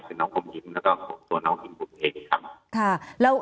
คือน้องอมยิ้มแล้วก็ตัวน้องอิมบุ๋มเองครับ